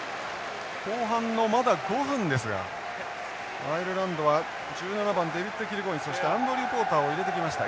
後半のまだ５分ですがアイルランドは１７番デイブキルコインそしてアンドリューポーターを入れてきました。